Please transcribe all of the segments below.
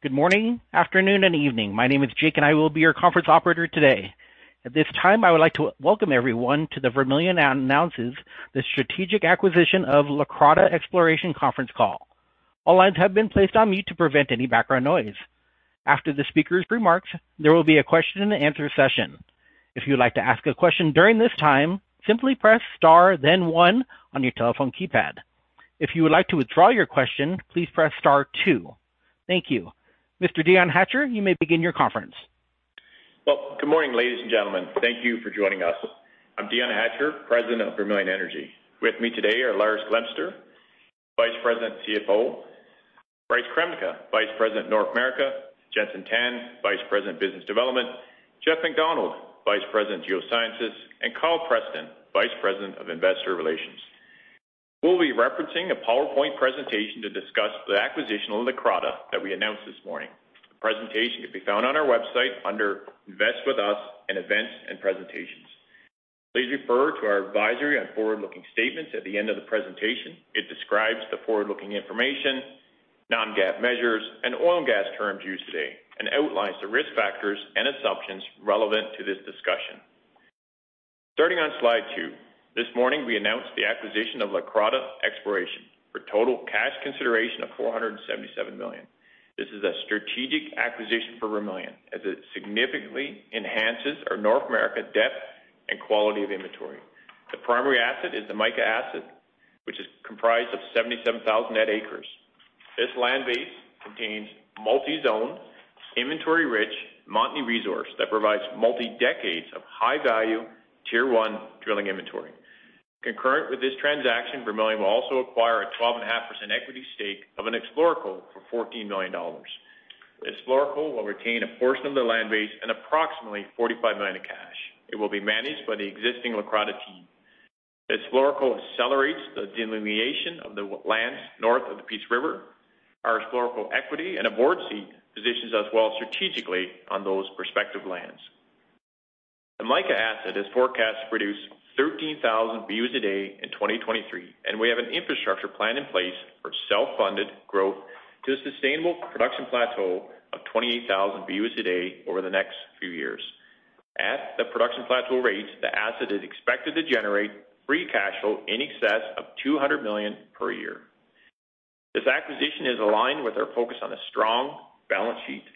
Good morning, afternoon, and evening. My name is Jake, and I will be your conference operator today. At this time, I would like to welcome everyone to the Vermilion Announces the Strategic Acquisition of Leucrotta Exploration conference call. All lines have been placed on mute to prevent any background noise. After the speaker's remarks, there will be a question and answer session. If you would like to ask a question during this time, simply press star then one on your telephone keypad. If you would like to withdraw your question, please press star two. Thank you. Mr. Dion Hatcher, you may begin your conference. Well, good morning, ladies and gentlemen. Thank you for joining us. I'm Dion Hatcher, President of Vermilion Energy. With me today are Lars Glemser, Vice President & CFO, Bryce Kremnica, Vice President, North America, Jenson Tan, Vice President, Business Development, Jeff McDonald, Vice President, Geosciences, and Kyle Preston, Vice President of Investor Relations. We'll be referencing a PowerPoint presentation to discuss the acquisition of Leucrotta Exploration that we announced this morning. The presentation can be found on our website under Invest With Us in Events and Presentations. Please refer to our advisory on forward-looking statements at the end of the presentation. It describes the forward-looking information, non-GAAP measures, and oil and gas terms used today and outlines the risk factors and assumptions relevant to this discussion. Starting on slide two. This morning, we announced the acquisition of Leucrotta Exploration for total cash consideration of 477 million. This is a strategic acquisition for Vermilion as it significantly enhances our North America depth and quality of inventory. The primary asset is the Mica Asset, which is comprised of 77,000 net acres. This land base contains multi-zone, inventory-rich Montney resource that provides multi-decades of high-value tier one drilling inventory. Concurrent with this transaction, Vermilion will also acquire a 12.5% equity stake in ExploreCo for 14 million dollars. ExploreCo will retain a portion of the land base and approximately 45 million of cash. It will be managed by the existing Leucrotta team. ExploreCo accelerates the delineation of the lands north of the Peace River. Our ExploreCo equity and a board seat positions us well strategically on those prospective lands. The Mica Asset is forecast to produce 13,000 BOEs a day in 2023, and we have an infrastructure plan in place for self-funded growth to a sustainable production plateau of 28,000 BOEs a day over the next few years. At the production plateau rates, the asset is expected to generate free cash flow in excess of 200 million per year. This acquisition is aligned with our focus on a strong balance sheet,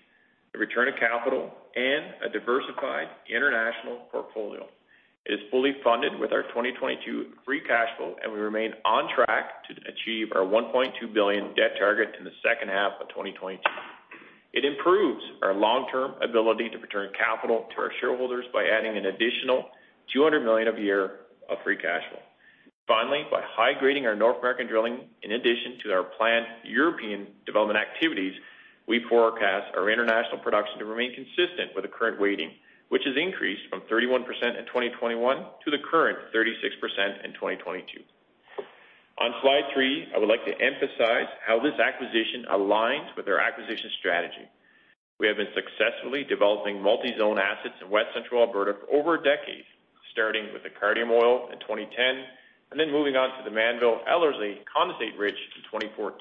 a return of capital, and a diversified international portfolio. It is fully funded with our 2022 free cash flow, and we remain on track to achieve our 1.2 billion debt target in the second half of 2022. It improves our long-term ability to return capital to our shareholders by adding an additional 200 million a year of free cash flow. Finally, by high-grading our North American drilling, in addition to our planned European development activities, we forecast our international production to remain consistent with the current weighting, which has increased from 31% in 2021 to the current 36% in 2022. On slide three, I would like to emphasize how this acquisition aligns with our acquisition strategy. We have been successfully developing multi-zone assets in West Central Alberta for over a decade, starting with the Cardium oil in 2010 and then moving on to the Mannville Ellerslie Condensate Ridge in 2014.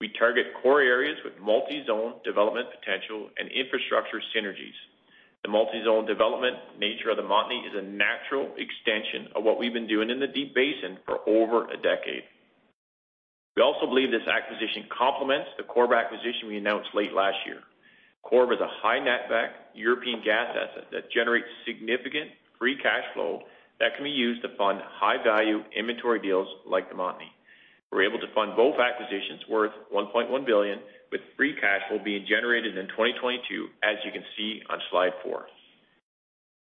We target core areas with multi-zone development potential and infrastructure synergies. The multi-zone development nature of the Montney is a natural extension of what we've been doing in the Deep Basin for over a decade. We also believe this acquisition complements the Corrib acquisition we announced late last year. Corrib is a high netback European gas asset that generates significant free cash flow that can be used to fund high-value inventory deals like the Montney. We're able to fund both acquisitions worth 1.1 billion with free cash flow being generated in 2022, as you can see on slide four.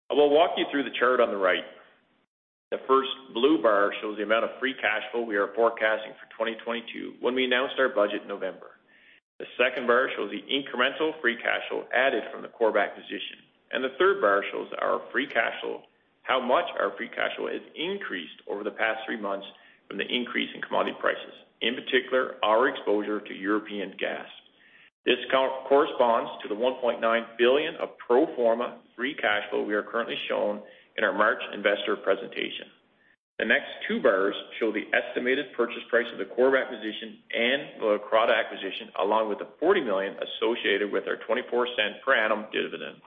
I will walk you through the chart on the right. The first blue bar shows the amount of free cash flow we are forecasting for 2022 when we announced our budget in November. The second bar shows the incremental free cash flow added from the Corrib acquisition, and the third bar shows our free cash flow, how much our free cash flow has increased over the past three months from the increase in commodity prices, in particular, our exposure to European gas. This corresponds to the 1.9 billion of pro forma free cash flow we are currently shown in our March investor presentation. The next two bars show the estimated purchase price of the Corrib acquisition and the Leucrotta acquisition, along with the 40 million associated with our 24-cent per annum dividend.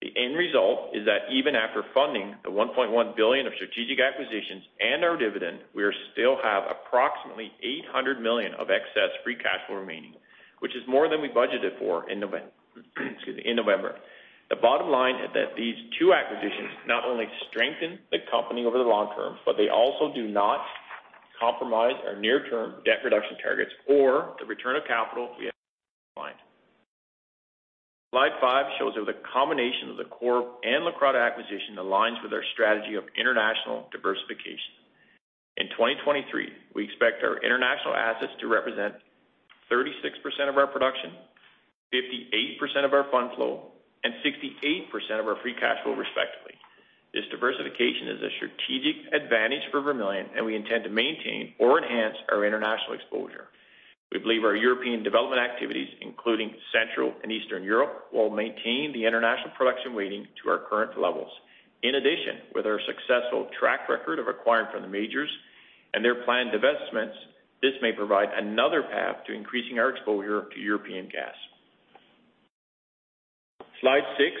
The end result is that even after funding the 1.1 billion of strategic acquisitions and our dividend, we still have approximately 800 million of excess free cash flow remaining, which is more than we budgeted for in November. The bottom line is that these two acquisitions not only strengthen the company over the long term, but they also do not compromise our near-term debt reduction targets or the return of capital we have defined. Slide five shows how the combination of the Corrib and Leucrotta acquisition aligns with our strategy of international diversification. In 2023, we expect our international assets to represent 36% of our production, 58% of our fund flow, and 68% of our free cash flow, respectively. This diversification is a strategic advantage for Vermilion, and we intend to maintain or enhance our international exposure. We believe our European development activities, including Central and Eastern Europe, will maintain the international production weighting to our current levels. In addition, with our successful track record of acquiring from the majors and their planned divestments, this may provide another path to increasing our exposure to European gas. Slide six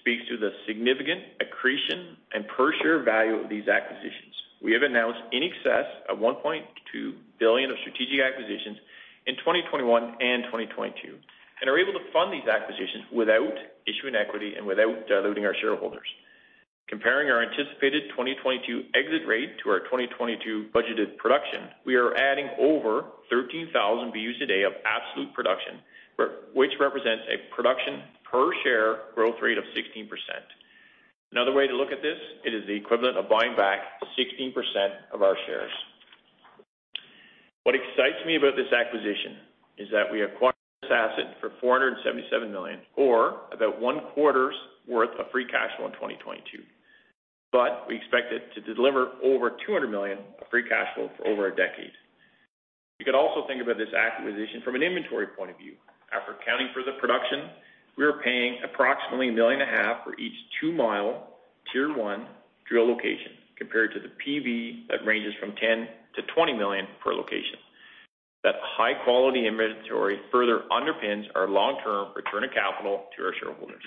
speaks to the significant accretion and per share value of these acquisitions. We have announced in excess of 1.2 billion of strategic acquisitions in 2021 and 2022, and are able to fund these acquisitions without issuing equity and without diluting our shareholders. Comparing our anticipated 2022 exit rate to our 2022 budgeted production, we are adding over 13,000 BOEs a day of absolute production, which represents a production per share growth rate of 16%. Another way to look at this, it is the equivalent of buying back 16% of our shares. What excites me about this acquisition is that we acquired this asset for 477 million, or about one quarter's worth of free cash flow in 2022. We expect it to deliver over 200 million of free cash flow for over a decade. You could also think about this acquisition from an inventory point of view. After accounting for the production, we are paying approximately 1.5 million for each two-mile tier one drill location, compared to the PV that ranges from 10 million-20 million per location. That high quality inventory further underpins our long-term return of capital to our shareholders.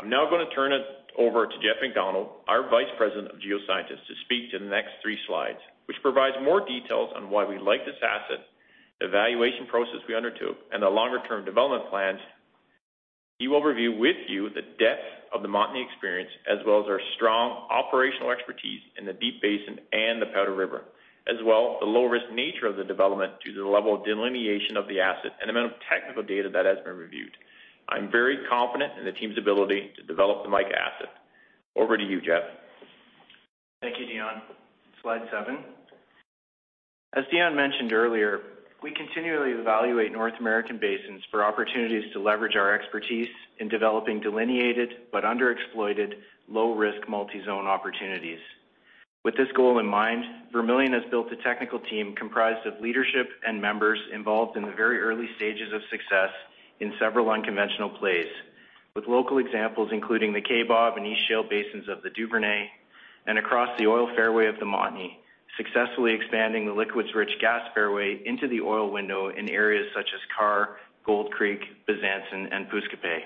I'm now gonna turn it over to Jeff McDonald, our Vice President of Geosciences, to speak to the next three slides, which provide more details on why we like this asset, the evaluation process we undertook, and the long-term development plans. He will review with you the depth of the Montney experience, as well as our strong operational expertise in the Deep Basin and the Powder River. As well, the low-risk nature of the development due to the level of delineation of the asset and amount of technical data that has been reviewed. I'm very confident in the team's ability to develop the Mica asset. Over to you, Jeff. Thank you, Dion. Slide seven. As Dion mentioned earlier, we continually evaluate North American basins for opportunities to leverage our expertise in developing delineated but underexploited, low risk multi-zone opportunities. With this goal in mind, Vermilion has built a technical team comprised of leadership and members involved in the very early stages of success in several unconventional plays, with local examples including the Kaybob and East Shale Basin of the Duvernay and across the Oil Fairway of the Montney, successfully expanding the liquids-rich gas fairway into the oil window in areas such as Karr, Gold Creek, Bezanson, and Puskwaskau.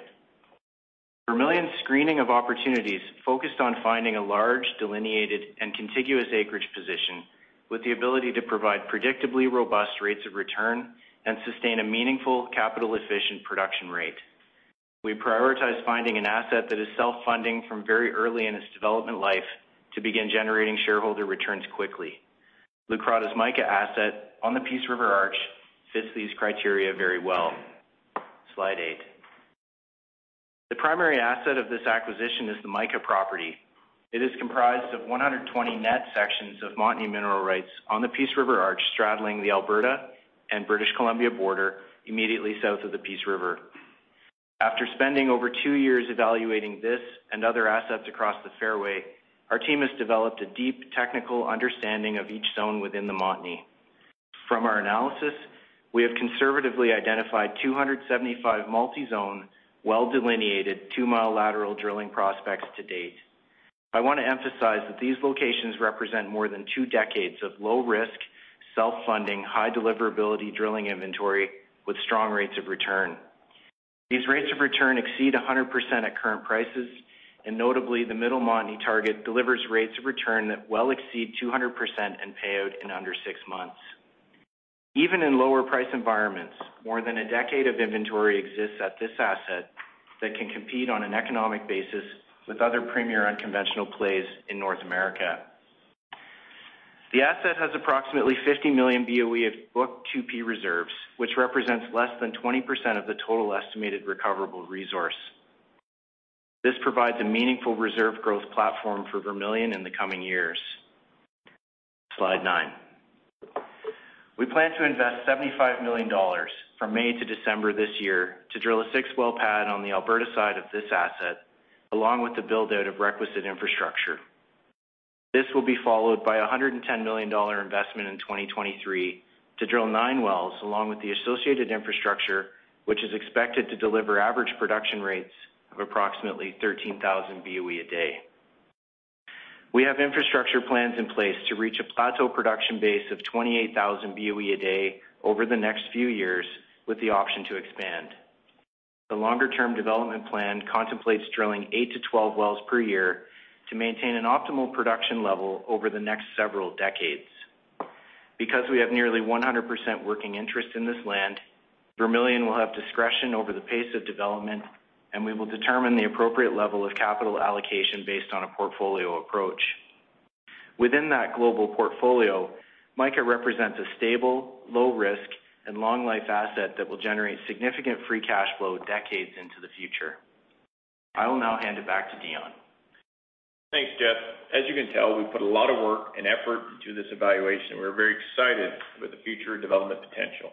Vermilion's screening of opportunities focused on finding a large delineated and contiguous acreage position with the ability to provide predictably robust rates of return and sustain a meaningful capital efficient production rate. We prioritize finding an asset that is self-funding from very early in its development life to begin generating shareholder returns quickly. Leucrotta's Mica asset on the Peace River Arch fits these criteria very well. Slide eight. The primary asset of this acquisition is the Mica property. It is comprised of 120 net sections of Montney mineral rights on the Peace River Arch straddling the Alberta and British Columbia border immediately south of the Peace River. After spending over two years evaluating this and other assets across the fairway, our team has developed a deep technical understanding of each zone within the Montney. From our analysis, we have conservatively identified 275 multi-zone, well-delineated two-mile lateral drilling prospects to date. I wanna emphasize that these locations represent more than two decades of low risk, self-funding, high deliverability drilling inventory with strong rates of return. These rates of return exceed 100% at current prices, and notably, the Middle Montney target delivers rates of return that well exceed 200% and payout in under six months. Even in lower price environments, more than a decade of inventory exists at this asset that can compete on an economic basis with other premier unconventional plays in North America. The asset has approximately 50 million BOE of book 2P reserves, which represents less than 20% of the total estimated recoverable resource. This provides a meaningful reserve growth platform for Vermilion in the coming years. Slide nine. We plan to invest 75 million dollars from May to December this year to drill a six-well pad on the Alberta side of this asset, along with the build-out of requisite infrastructure. This will be followed by a 110 million dollar investment in 2023 to drill nine wells, along with the associated infrastructure, which is expected to deliver average production rates of approximately 13,000 BOE a day. We have infrastructure plans in place to reach a plateau production base of 28,000 BOE a day over the next few years, with the option to expand. The longer-term development plan contemplates drilling eight-12 wells per year to maintain an optimal production level over the next several decades. Because we have nearly 100% working interest in this land, Vermilion will have discretion over the pace of development, and we will determine the appropriate level of capital allocation based on a portfolio approach. Within that global portfolio, Mica represents a stable, low risk, and long life asset that will generate significant free cash flow decades into the future. I will now hand it back to Dion. Thanks, Jeff. As you can tell, we put a lot of work and effort into this evaluation. We're very excited with the future development potential.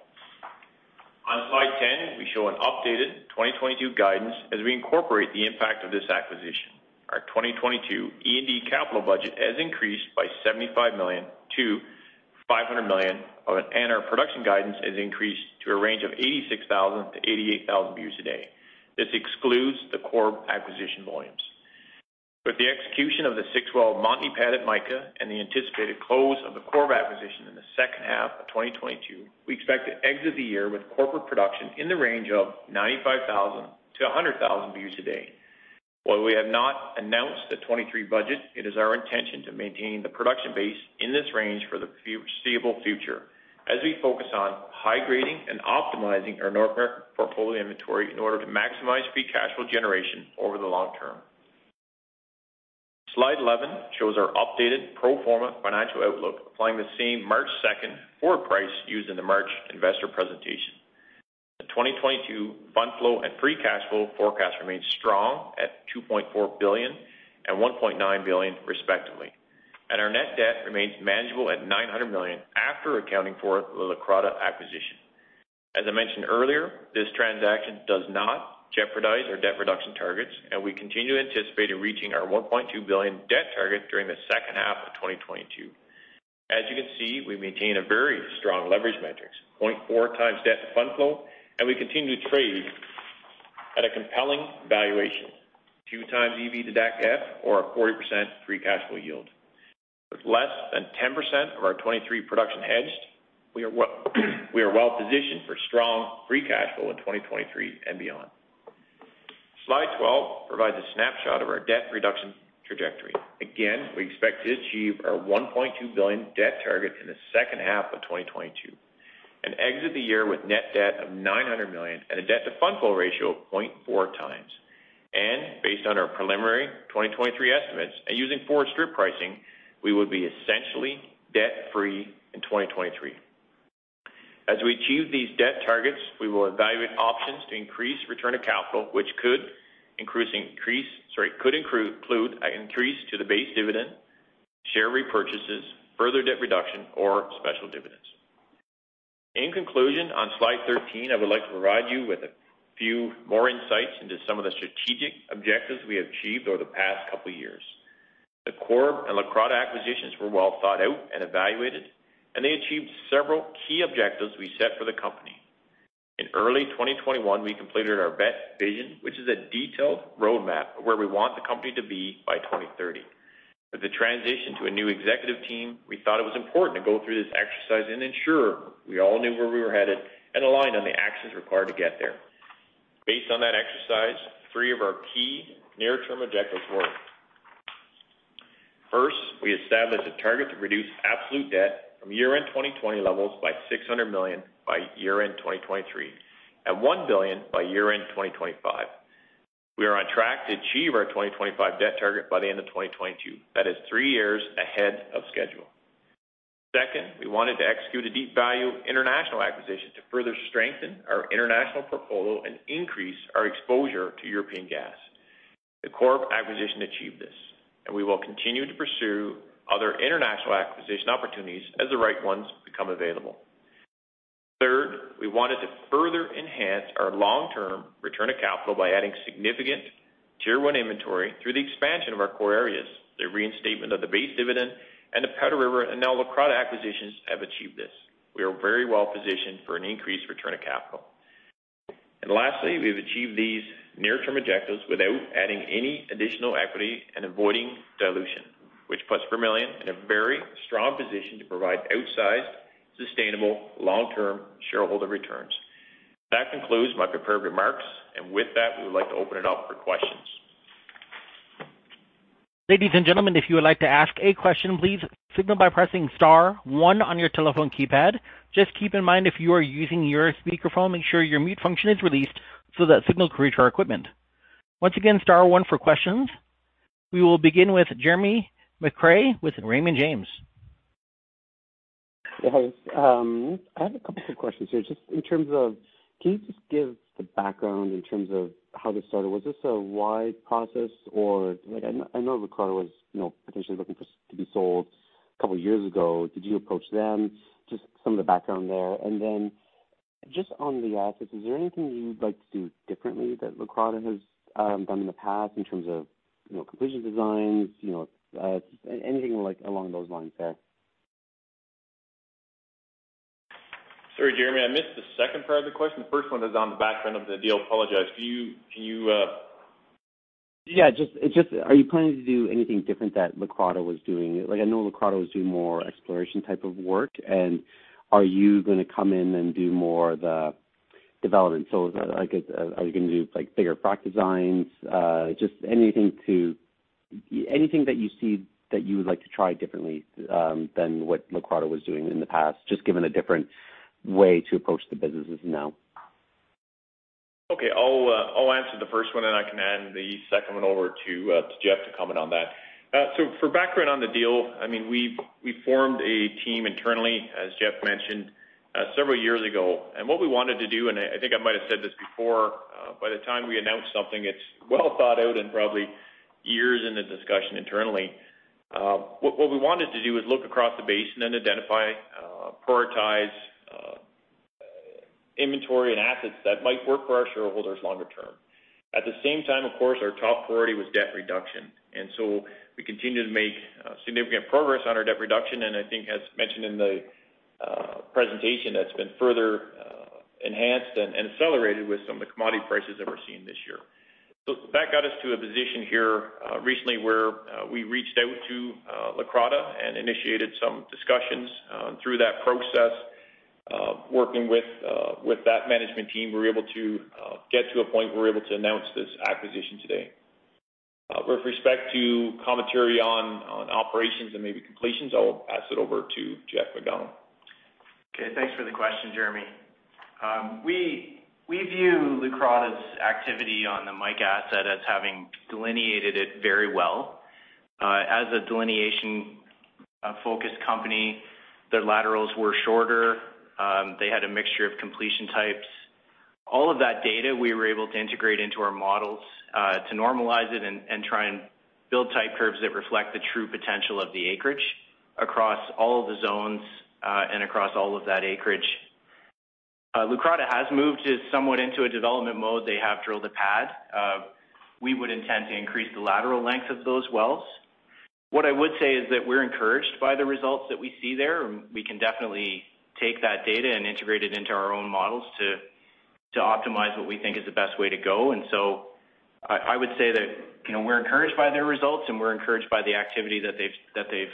On slide 10, we show an updated 2022 guidance as we incorporate the impact of this acquisition. Our 2022 E&D capital budget has increased by 75 million-500 million, and our production guidance has increased to a range of 86,000-88,000 BOE a day. This excludes the Corrib acquisition volumes. With the execution of the six-well Montney pad at Mica and the anticipated close of the Corrib acquisition in the second half of 2022, we expect to exit the year with corporate production in the range of 95,000-100,000 BOE a day. While we have not announced the 2023 budget, it is our intention to maintain the production base in this range for the foreseeable future as we focus on high grading and optimizing our North American portfolio inventory in order to maximize free cash flow generation over the long term. Slide 11 shows our updated pro forma financial outlook, applying the same March 2nd forward price used in the March investor presentation. The 2022 fund flow and free cash flow forecast remains strong at 2.4 billion and 1.9 billion respectively, and our net debt remains manageable at 900 million after accounting for the Leucrotta acquisition. As I mentioned earlier, this transaction does not jeopardize our debt reduction targets, and we continue anticipating reaching our 1.2 billion debt target during the second half of 2022. As you can see, we maintain a very strong leverage metrics, 0.4 times debt to fund flow, and we continue to trade at a compelling valuation, 2x EV/DACF or a 40% free cash flow yield. With less than 10% of our 2023 production hedged, we are well-positioned for strong free cash flow in 2023 and beyond. Slide 12 provides a snapshot of our debt reduction trajectory. Again, we expect to achieve our 1.2 billion debt target in the second half of 2022 and exit the year with net debt of 900 million and a debt to fund flow ratio of 0.4 times. Based on our preliminary 2023 estimates and using forward strip pricing, we would be essentially debt free in 2023. As we achieve these debt targets, we will evaluate options to increase return of capital, which could include an increase to the base dividend, share repurchases, further debt reduction, or special dividends. In conclusion, on slide 13, I would like to provide you with a few more insights into some of the strategic objectives we have achieved over the past couple of years. The Corrib and Leucrotta acquisitions were well thought out and evaluated, and they achieved several key objectives we set for the company. In early 2021, we completed our Best Vision, which is a detailed roadmap of where we want the company to be by 2030. With the transition to a new executive team, we thought it was important to go through this exercise and ensure we all knew where we were headed and aligned on the actions required to get there. Based on that exercise, three of our key near-term objectives were. First, we established a target to reduce absolute debt from year-end 2020 levels by 600 million by year-end 2023 at 1 billion by year-end 2025. We are on track to achieve our 2025 debt target by the end of 2022. That is three years ahead of schedule. Second, we wanted to execute a deep value international acquisition to further strengthen our international portfolio and increase our exposure to European gas. The Corrib acquisition achieved this, and we will continue to pursue other international acquisition opportunities as the right ones become available. Third, we wanted to further enhance our long-term return of capital by adding significant tier one inventory through the expansion of our core areas. The reinstatement of the base dividend and the Powder River, and now Leucrotta acquisitions have achieved this. We are very well positioned for an increased return of capital. Lastly, we have achieved these near term objectives without adding any additional equity and avoiding dilution, which puts Vermilion in a very strong position to provide outsized, sustainable, long-term shareholder returns. That concludes my prepared remarks. With that, we would like to open it up for questions. Ladies and gentlemen, if you would like to ask a question, please signal by pressing star one on your telephone keypad. Just keep in mind if you are using your speakerphone, make sure your mute function is released so that signal can reach our equipment. Once again, star one for questions. We will begin with Jeremy McCrea with Raymond James. Yes. I have a couple of questions here. Just in terms of, can you just give the background in terms of how this started? Was this a wide process or like I know Leucrotta was, you know, potentially looking to be sold a couple years ago. Did you approach them? Just some of the background there. Just on the assets, is there anything you'd like to do differently that Leucrotta has done in the past in terms of, you know, completion designs, you know, anything like along those lines there? Sorry, Jeremy, I missed the second part of the question. First one is on the background of the deal. Apologize. Do you, Yeah, just are you planning to do anything different than Leucrotta was doing? Like I know Leucrotta was doing more exploration type of work, and are you gonna come in and do more development? I guess, are you gonna do like bigger frack designs? Anything that you see that you would like to try differently than what Leucrotta was doing in the past, just given a different way to approach the businesses now. Okay. I'll answer the first one, and I can hand the second one over to Jeff to comment on that. So for background on the deal, I mean, we formed a team internally, as Jeff mentioned, several years ago. What we wanted to do, and I think I might have said this before, by the time we announce something, it's well thought out and probably years in the discussion internally. What we wanted to do is look across the basin and identify, prioritize, inventory and assets that might work for our shareholders longer term. At the same time, of course, our top priority was debt reduction, and so we continued to make significant progress on our debt reduction. I think as mentioned in the presentation, that's been further enhanced and accelerated with some of the commodity prices that we're seeing this year. That got us to a position here recently where we reached out to Leucrotta and initiated some discussions through that process. Working with that management team, we were able to get to a point we're able to announce this acquisition today. With respect to commentary on operations and maybe completions, I'll pass it over to Jeff McDonald. Okay, thanks for the question, Jeremy. We view Leucrotta's activity on the Mica asset as having delineated it very well. As a delineation focus company, their laterals were shorter. They had a mixture of completion types. All of that data we were able to integrate into our models to normalize it and try and build type curves that reflect the true potential of the acreage across all of the zones and across all of that acreage. Leucrotta has moved somewhat into a development mode. They have drilled a pad. We would intend to increase the lateral length of those wells. What I would say is that we're encouraged by the results that we see there. We can definitely take that data and integrate it into our own models to optimize what we think is the best way to go. I would say that, you know, we're encouraged by their results, and we're encouraged by the activity that they've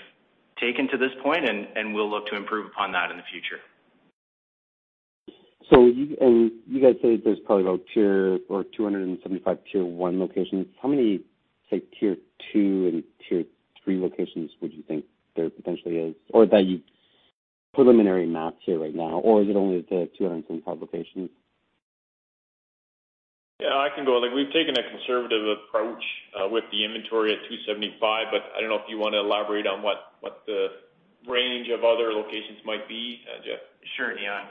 taken to this point, and we'll look to improve upon that in the future. You guys say there's probably about 275 Tier 1 locations. How many, say, Tier 2 and Tier 3 locations would you think there potentially is or that you've preliminary mapped here right now? Is it only the 275 locations? Yeah, I can go. Like, we've taken a conservative approach with the inventory at 275, but I don't know if you wanna elaborate on what the range of other locations might be, Jeff. Sure, Dion.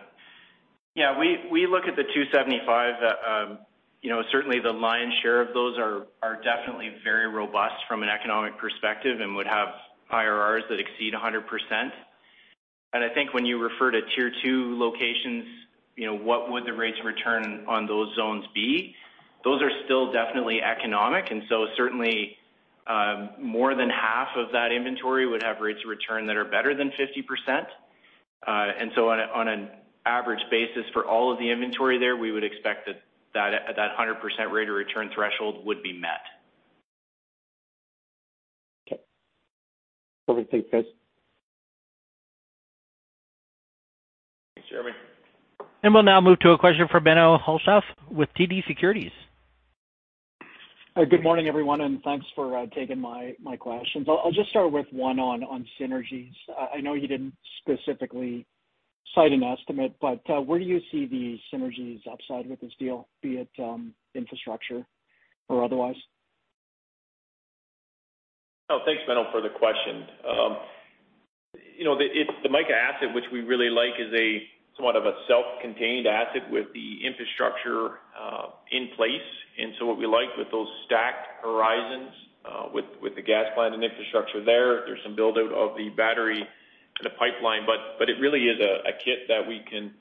Yeah, we look at the 275, you know, certainly the lion's share of those are definitely very robust from an economic perspective and would have IRRs that exceed 100%. I think when you refer to tier two locations, you know, what would the rates of return on those zones be? Those are still definitely economic, and so certainly, more than half of that inventory would have rates of return that are better than 50%. On an average basis for all of the inventory there, we would expect that at a 100% rate of return threshold would be met. Okay. Over to you, Chris. Thanks, Jeremy. We'll now move to a question from Menno Hulshof with TD Securities. Good morning, everyone, and thanks for taking my questions. I'll just start with one on synergies. I know you didn't specifically cite an estimate, but where do you see the synergies upside with this deal, be it infrastructure or otherwise? Oh, thanks, Menno for the question. You know, it's the Mica asset, which we really like, is a somewhat of a self-contained asset with the infrastructure in place. What we like with those stacked horizons, with the gas plant and infrastructure there's some build-out of the battery to the pipeline. But it really is a kit that we can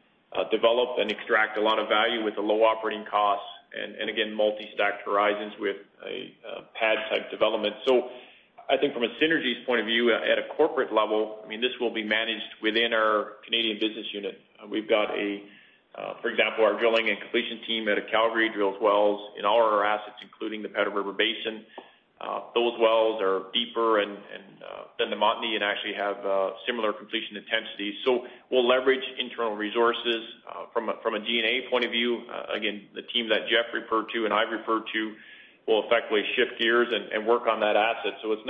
develop and extract a lot of value with the low operating costs and again, multi-stacked horizons with a pad-type development. I think from a synergies point of view, at a corporate level, I mean, this will be managed within our Canadian business unit. We've got, for example, our drilling and completion team out of Calgary drills wells in all our assets, including the Powder River Basin. Those wells are deeper and than the Montney and actually have similar completion intensities. We'll leverage internal resources from a G&A point of view. Again, the team that Jeff referred to and I referred to will effectively shift gears and work on that asset. It's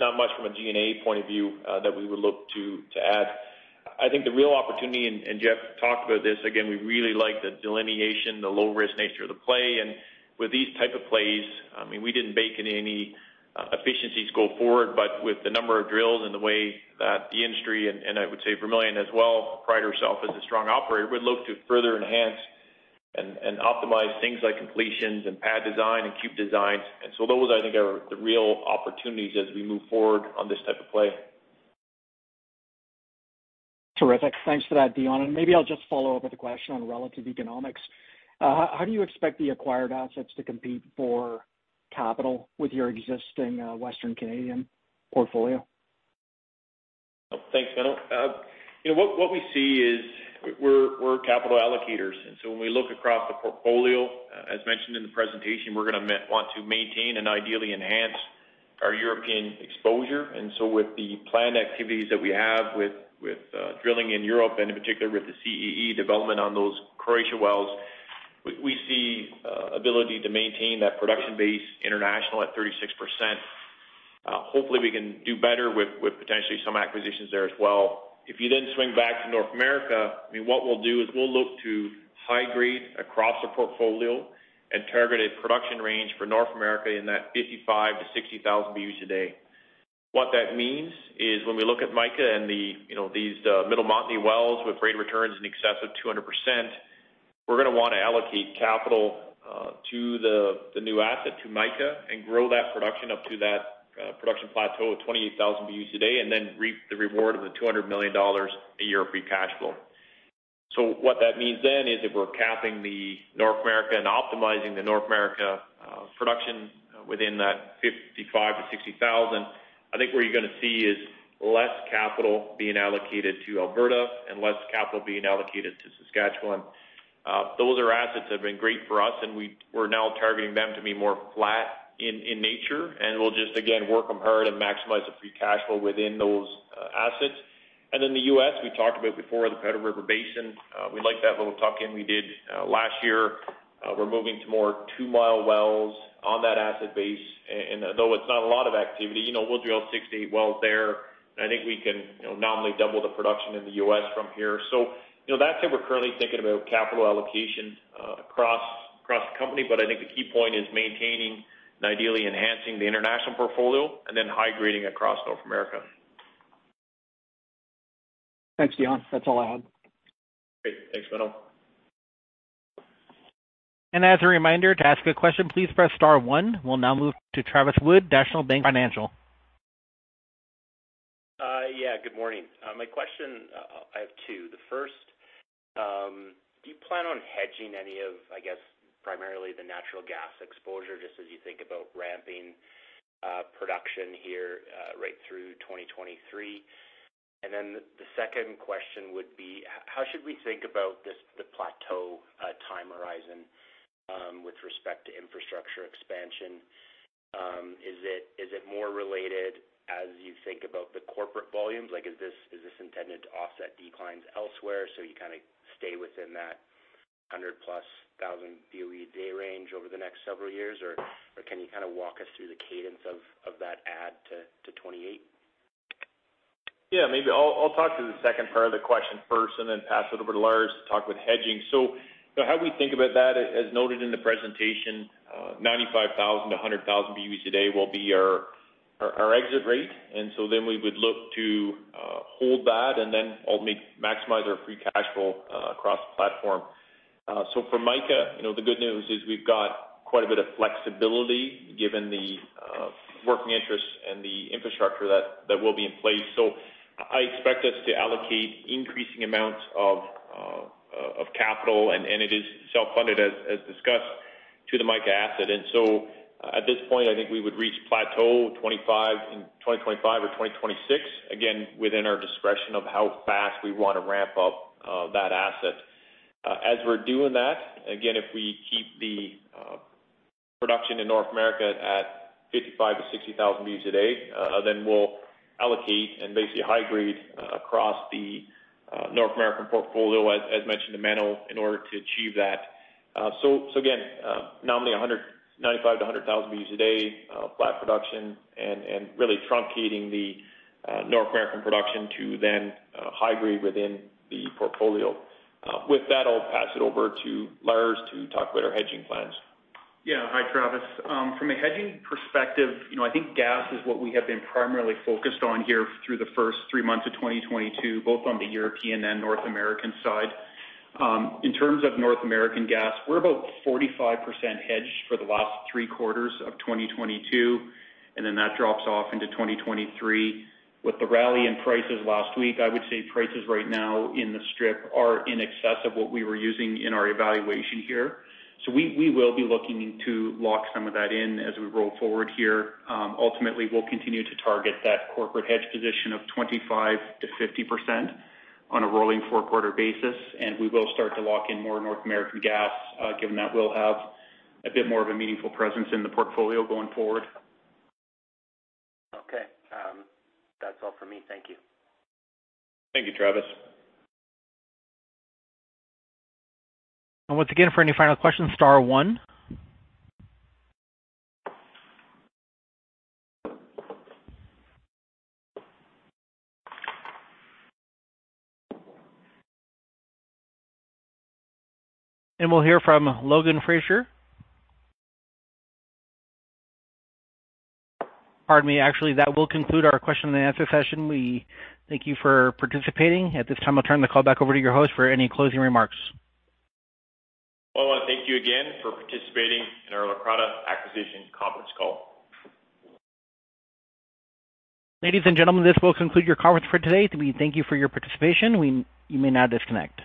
not much from a G&A point of view that we would look to add. I think the real opportunity, and Jeff talked about this, again, we really like the delineation, the low risk nature of the play. With these type of plays, I mean, we didn't bake in any efficiencies going forward, but with the number of drills and the way that the industry, and I would say Vermilion as well, pride ourselves as a strong operator, we look to further enhance and optimize things like completions and pad design and cube designs. Those, I think, are the real opportunities as we move forward on this type of play. Terrific. Thanks for that, Dion. Maybe I'll just follow up with a question on relative economics. How do you expect the acquired assets to compete for capital with your existing Western Canadian portfolio? Thanks, Menno. What we see is we're capital allocators, and so when we look across the portfolio, as mentioned in the presentation, we're gonna want to maintain and ideally enhance our European exposure. With the planned activities that we have with drilling in Europe and in particular with the CEE development on those Croatia wells, we see ability to maintain that production base international at 36%. Hopefully, we can do better with potentially some acquisitions there as well. If you then swing back to North America, I mean, what we'll do is we'll look to high grade across the portfolio and target a production range for North America in that 55,000-60,000 BOE a day. What that means is when we look at Mica and the, you know, these Middle Montney wells with rate returns in excess of 200%, we're gonna wanna allocate capital to the new asset to Mica and grow that production up to that production plateau of 28,000 BOE a day, and then reap the reward of 200 million dollars a year of free cash flow. What that means then is if we're capping the North America and optimizing the North American production within that 55,000-60,000. I think what you're gonna see is less capital being allocated to Alberta and less capital being allocated to Saskatchewan. Those are assets that have been great for us, and we're now targeting them to be more flat in nature, and we'll just, again, work them hard and maximize the free cash flow within those assets. The U.S., we talked about before the Powder River Basin. We like that little tuck-in we did last year. We're moving to more two-mile wells on that asset base. Though it's not a lot of activity, you know, we'll drill 6-8 wells there, and I think we can, you know, nominally double the production in the U.S. from here. You know, that's how we're currently thinking about capital allocation across the company. I think the key point is maintaining and ideally enhancing the international portfolio and then high grading across North America. Thanks, Dion. That's all I had. Great. Thanks, Menno. As a reminder, to ask a question, please press star one. We'll now move to Travis Wood, National Bank Financial. Yeah, good morning. My question, I have two. The first, do you plan on hedging any of, I guess, primarily the natural gas exposure, just as you think about ramping production here, right through 2023? The second question would be, how should we think about this, the plateau time horizon, with respect to infrastructure expansion? Is it more related as you think about the corporate volumes? Like, is this intended to offset declines elsewhere, so you kinda stay within that 100+ thousand BOE a day range over the next several years? Or can you kinda walk us through the cadence of that add to 2028? Yeah, maybe I'll talk to the second part of the question first and then pass it over to Lars to talk about hedging. How we think about that, as noted in the presentation, 95,000 to 100,000 BOEs a day will be our exit rate. We would look to hold that and then ultimately maximize our free cash flow across the platform. For Mica, you know, the good news is we've got quite a bit of flexibility given the working interest and the infrastructure that will be in place. I expect us to allocate increasing amounts of capital, and it is self-funded, as discussed, to the Mica asset. At this point, I think we would reach plateau 25 in 2025 or 2026, again, within our discretion of how fast we wanna ramp up that asset. As we're doing that, again, if we keep the production in North America at 55,000-60,000 BOEs a day, then we'll allocate and basically high grade across the North American portfolio, as mentioned to Menno, in order to achieve that. So again, nominally 95,000-100,000 BOEs a day, flat production, and really truncating the North American production to then high grade within the portfolio. With that, I'll pass it over to Lars to talk about our hedging plans. Yeah. Hi, Travis. From a hedging perspective, you know, I think gas is what we have been primarily focused on here through the first three months of 2022, both on the European and North American side. In terms of North American gas, we're about 45% hedged for the last three quarters of 2022, and then that drops off into 2023. With the rally in prices last week, I would say prices right now in the strip are in excess of what we were using in our evaluation here. We will be looking to lock some of that in as we roll forward here. Ultimately, we'll continue to target that corporate hedge position of 25%-50% on a rolling four-quarter basis, and we will start to lock in more North American gas, given that we'll have a bit more of a meaningful presence in the portfolio going forward. Okay. That's all for me. Thank you. Thank you, Travis. Once again, for any final questions, star one. We'll hear from Logan Frazier. Pardon me. Actually, that will conclude our question and answer session. We thank you for participating. At this time, I'll turn the call back over to your host for any closing remarks. Well, I wanna thank you again for participating in our Leucrotta acquisition conference call. Ladies and gentlemen, this will conclude your conference for today. We thank you for your participation. You may now disconnect.